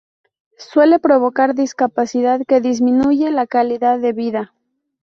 Suele provocar discapacidad que disminuye la calidad de vida.